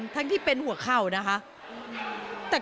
ขอบคุณมากนะคะที่เป็นกำลังใจให้พ่อ